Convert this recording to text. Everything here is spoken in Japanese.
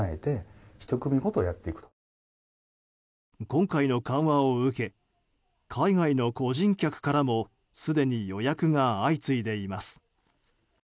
今回の緩和を受け海外の個人客からもすでに予約が相次いでいます。